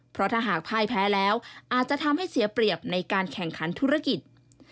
เพราะถ้าหากพ่ายแพ้แล้วอาจจะทำให้เสียเปรียบในการแข่งขันธุรกิจ